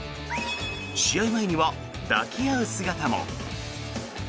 試合前には抱き合う姿も。